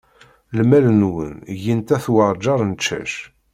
Lmal-nwen gint at uɛjar n ccac.